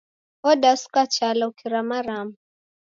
Odasuka chala ukiramarama